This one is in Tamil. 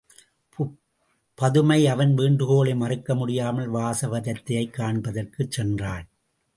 பதுமை அவன் வேண்டுகோளை மறுக்க முடியாமல், வாசவதத்தையைக் காண்பதற்குச் சென்றாள்.